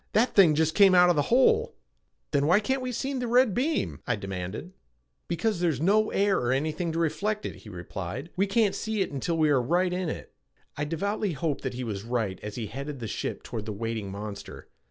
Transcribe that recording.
That thing just came out of the hole!" "Then why can't we see the red beam?" I demanded. "Because there's no air or anything to reflect it," he replied. "We can't see it until we are right in it." I devoutly hoped that he was right as he headed the ship toward the waiting monster.